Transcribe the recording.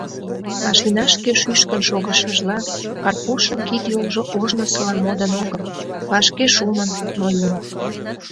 Машинашке шӱшкын шогышыжла, Карпушын кид-йолжо ожнысыла модын огыл, вашке шумын, ноен.